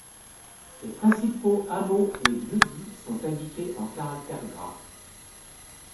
Les principaux hameaux et lieux-dits sont indiqués en caractères gras.